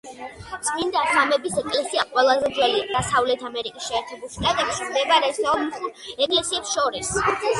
წმინდა სამების ეკლესია ყველაზე ძველია დასავლეთ ამერიკის შეერთებულ შტატებში მდებარე სომხურ ეკლესიებს შორის.